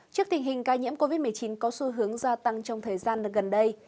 trước tình hình ca nhiễm covid một mươi chín có xu hướng gia tăng trong thời gian gần đây